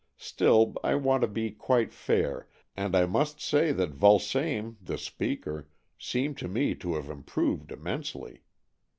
Still, I want to be quite fair, and I must say that Vulsame, the speaker, seemed to me to have improved immensely.